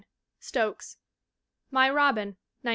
Stokes. My Robin, 1912.